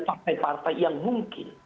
partai partai yang mungkin